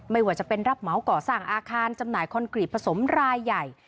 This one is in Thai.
ไม่ว่าจะเป็นรับเหมาก่อสร้างอาคารจำหน่ายคอนกรีตผสมรายใหญ่